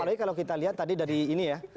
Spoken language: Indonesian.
apalagi kalau kita lihat tadi dari ini ya